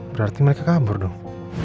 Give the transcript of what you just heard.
berarti mereka kabur dong